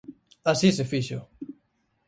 Así se fixo.